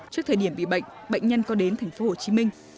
trước thời điểm bị bệnh bệnh nhân có đến thành phố hồ chí minh